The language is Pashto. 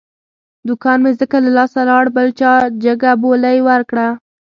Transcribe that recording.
دوکان مې ځکه له لاسه لاړ، بل چا جگه بولۍ ور کړه.